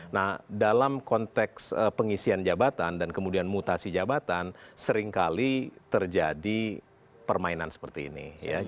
nah dalam konteks pengisian jabatan dan kemudian mutasi jabatan seringkali terjadi permainan seperti ini